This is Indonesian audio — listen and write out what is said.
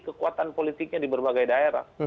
kekuatan politiknya di berbagai daerah